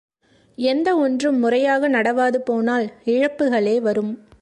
எந்த ஒன்றும் முறையாக நடவாது போனால் இழப்புக்களே வரும்.